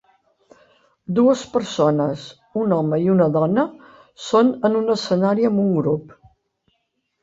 Dues persones, un home i una dona, són en un escenari amb un grup.